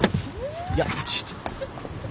いやちょっと。